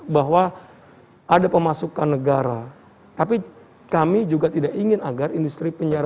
bahwa ada pemasukan negara